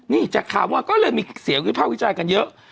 นี่จากข่าวว่าก็เลยมีเสียงวิภาควิจารณ์กันเยอะ